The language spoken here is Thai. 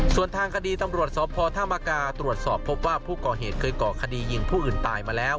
ส่วนตัมรวจสอปพอร์ท่ามกาตรวจสอบพบว่าผู้ก่อเหตุเคยก่อคดียิงผู้อื่นตายมาแล้ว